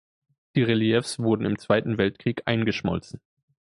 Die Reliefs wurden im Zweiten Weltkrieg eingeschmolzen.